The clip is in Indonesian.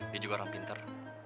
dia juga orang pinter